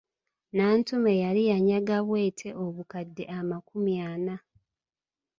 Nantume yali yanyaga Bwete obukadde amakumi ana.